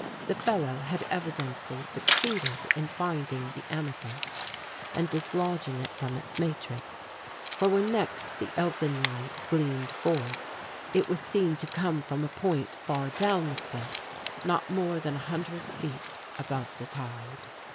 The fellow had evidently succeeded in finding the amethyst and dislodging it from its matrix, for when next the elfin light gleamed forth it was seen to come from a point far down the cliff, not more than a hundred feet above the tide.